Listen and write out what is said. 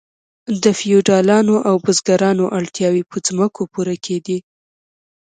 د فیوډالانو او بزګرانو اړتیاوې په ځمکو پوره کیدې.